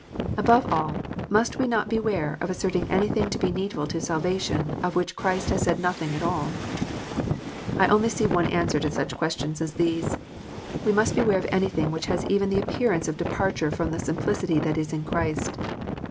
Above all, must we not beware of asserting anything to be needful to salvation of which Christ has said nothing at all 1 I only see one answer to such ques tions as these. We must beware of anything which has even the appearance of departure from the " simplicity that is in Christ."